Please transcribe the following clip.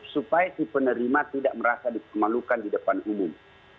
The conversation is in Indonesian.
supaya si penerima tidak merasa dipermalukan di depan umum